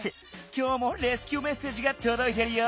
きょうもレスキューメッセージがとどいてるよ！